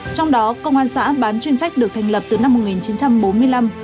trong đó công an xã bán chuyên trách được thành lập từ năm một nghìn chín trăm bốn mươi năm